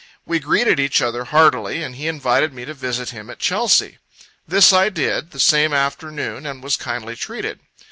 We greeted each other heartily, and he invited me to visit him at Chelsea. This I did, the same afternoon, and was kindly treated.